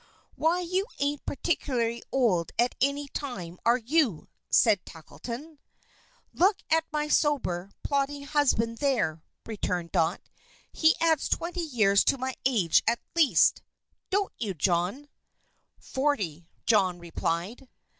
"Why, you ain't particularly old at any time, are you?" said Tackleton. "Look at my sober, plodding husband there," returned Dot. "He adds twenty years to my age at least. Don't you, John?" "Forty," John replied.